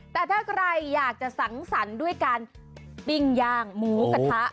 แต่ถ้าใครอยากจะสังสรรค์ด้วยการปิ้งย่างหมูกระทะ